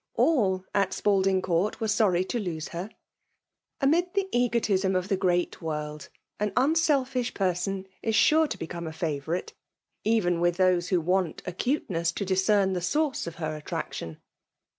All at Spalding Court were sorry to lose her. Amid the egotism of the great world, an. un selfish person is sure to become a favourite, even with those who want acuteness to discern the source of her attraction.